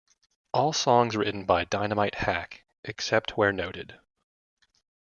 All songs written by Dynamite Hack, except where noted.